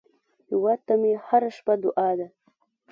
هیواد ته مې هره شپه دعا ده